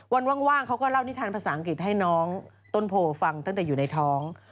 ว่ังว่างให้น้องต้นโพฟังตั้งแต่อยู่ในท้อง